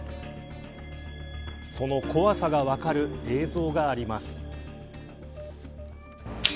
その怖さが分かる映像があります。